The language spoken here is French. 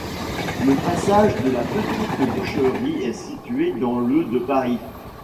Le passage de la Petite-Boucherie est situé dans le de Paris.